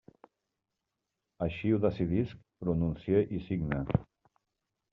Així ho decidisc, pronuncie i signe.